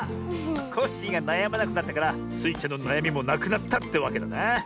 コッシーがなやまなくなったからスイちゃんのなやみもなくなったってわけだな。